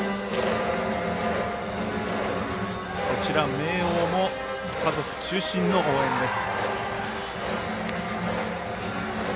明桜も家族中心の応援です。